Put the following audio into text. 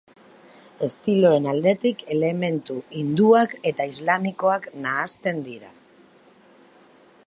Estiloen aldetik, elementu hinduak eta islamikoak nahasten dira.